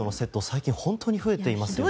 最近、本当に増えていますね。